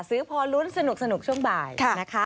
ซื้อพอลุ้นสนุกช่วงบ่ายนะคะ